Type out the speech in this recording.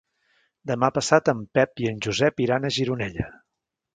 Demà passat en Pep i en Josep iran a Gironella.